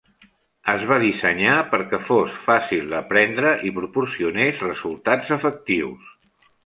Es va dissenyar perquè fos fàcil d'aprendre i proporcionés resultats efectius.